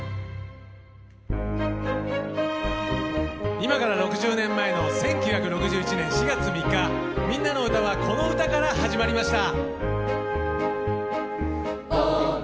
今から６０年前の１９６１年４月３日「みんなのうた」はこの歌から始まりました。